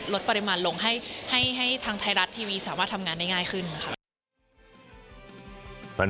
ลดปริมาณลงให้ทางไทยรัฐทีวีสามารถทำงานได้ง่ายขึ้นค่ะ